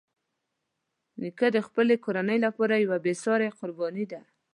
نیکه د خپلې کورنۍ لپاره یوه بېساري قرباني ده.